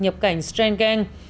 nhập cảnh schengen